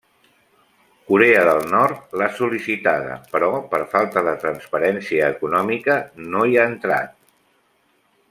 Corea del Nord l'ha sol·licitada, però per falta de transparència econòmica no hi ha entrat.